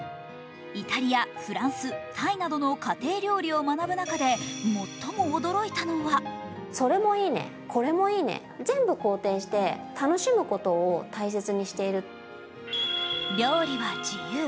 イタリア、フランス、タイなどの家庭料理を学ぶ中で最も驚いたのは料理は自由。